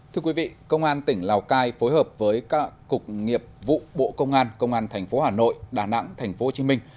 thưa quý vị công an tỉnh lào cai phối hợp với các cục nghiệp vụ bộ công an công an thành phố hà nội đà nẵng thành phố hồ chí minh